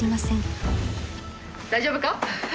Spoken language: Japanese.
大丈夫か？